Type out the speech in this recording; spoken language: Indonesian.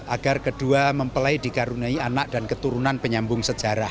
agar kedua mempelai dikaruniai anak dan keturunan penyambung sejarah